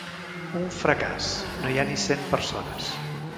Un fracàs: no hi ha ni cent persones.